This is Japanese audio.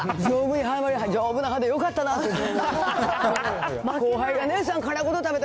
丈夫な歯でよかったなと思って。